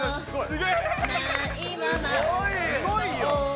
すごいよ。